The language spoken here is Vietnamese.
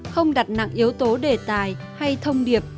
không đặt nặng yếu tố đề tài hay thông điệp